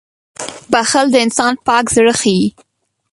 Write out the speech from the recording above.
• بښل د انسان پاک زړه ښيي.